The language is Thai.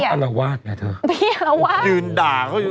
คงอรวาสเถอะ